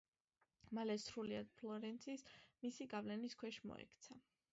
მალე სრულიად ფლორენცია მისი გავლენის ქვეშ მოექცა.